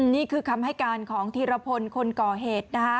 นี่คือคำให้การของธีรพลคนก่อเหตุนะคะ